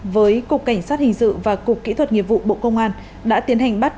với cục cảnh sát hình sự và cục kỹ thuật nghiệp vụ bộ công an đã tiến hành bắt